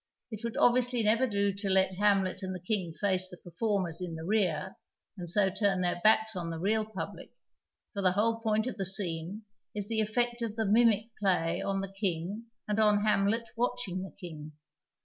It would obviously never do to let Hamlet and the King face the performers in the rear and so turn their backs on the real i)ublic, for the whole j^oint of the scene is the effect of the mimic play on the King and on Hamlet watching the King.